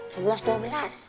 sebelas dua belas